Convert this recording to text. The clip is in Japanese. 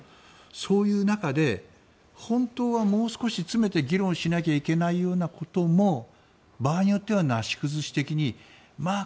そういう中で本当はもう少し詰めて議論しなきゃいけないことも場合によっては、なし崩し的にまあ